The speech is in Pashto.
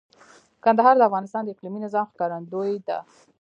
کندهار د افغانستان د اقلیمي نظام ښکارندوی ده.